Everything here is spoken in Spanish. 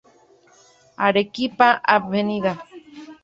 Arequipa, Av.